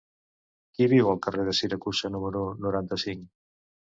Qui viu al carrer de Siracusa número noranta-cinc?